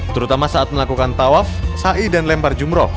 terutama saat melakukan tawaf sa'i dan lembar jumroh